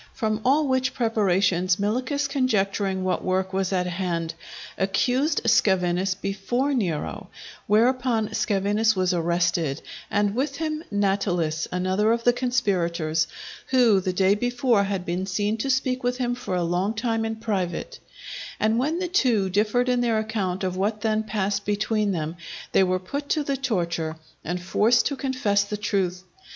From all which preparations Milichus conjecturing what work was in hand, accused Scaevinus before Nero; whereupon Scaevinus was arrested, and with him Natalis, another of the conspirators, who the day before had been seen to speak with him for a long time in private; and when the two differed in their account of what then passed between them, they were put to the torture and forced to confess the truth.